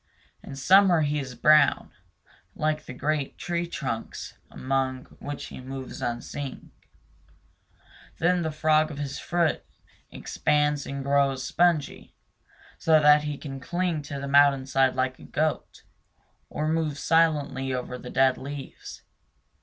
In summer he is brown, like the great tree trunks among which he moves unseen. Then the frog of his foot expands and grows spongy, so that he can cling to the mountain side like a goat, or move silently over the dead leaves.